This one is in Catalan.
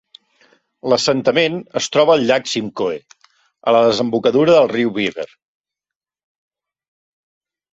L'assentament es troba al llac Simcoe, a la desembocadura del riu Beaver.